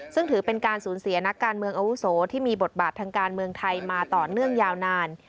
ซึ่งถือเป็นการสูญเสียนักการเมืองอาวุโสที่มีบทบาททางการเมืองไทยมาต่อเนื่องยาวนาน